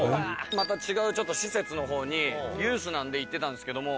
「また違うちょっと施設の方にユースなので行ってたんですけども」